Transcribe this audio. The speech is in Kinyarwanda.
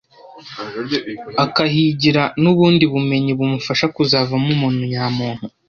akahigira n’ubundi bumenyi bumufasha kuzavamo umuntu nyamuntu